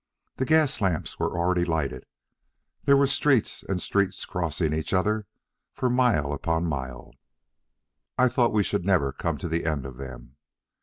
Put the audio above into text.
The gas lamps were already lighted; there were streets and streets crossing each other, for mile upon mile. I thought we should never come to the end of them.